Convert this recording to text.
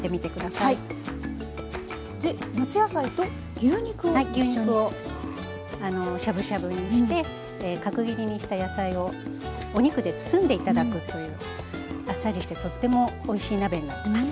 はい牛肉をしゃぶしゃぶにして角切りにした野菜をお肉で包んで頂くというあっさりしてとってもおいしい鍋になってます。